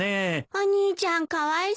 お兄ちゃんかわいそう。